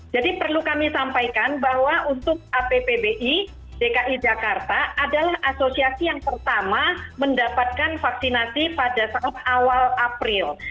jadi perlu kami sampaikan bahwa untuk appbi dki jakarta adalah asosiasi yang pertama mendapatkan vaksinasi pada saat awal april